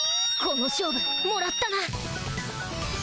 この勝負もらったな。